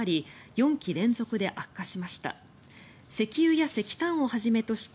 ４期連続で悪化しました。